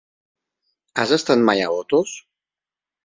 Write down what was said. Has estat mai a Otos?